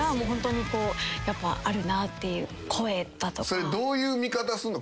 それどういう見方すんの？